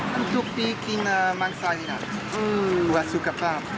ก็ทุกปีกินมันซายทีนานคุณก็สุขค่ะ